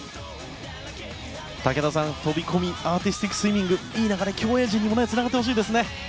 武田さん、飛込アーティスティックスイミングいい流れ、競泳陣にもつながってほしいですね。